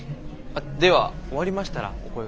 では終わりましたらお声がけ下さい。